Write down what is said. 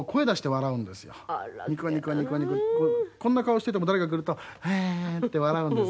ニコニコニコニコこんな顔してても誰かが来るとヘヘー！って笑うんです。